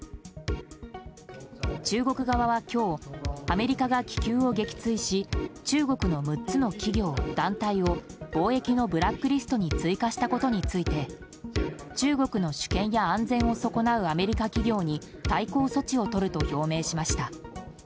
中国側は今日アメリカが気球を撃墜し中国の６つの企業・団体を貿易のブラックリストに追加したことについて中国の主権や安全を損なうアメリカ企業に対抗措置をとると表明しました。